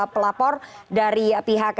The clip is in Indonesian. pelapor dari pihak